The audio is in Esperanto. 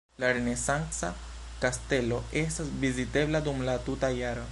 La renesanca kastelo estas vizitebla dum la tuta jaro.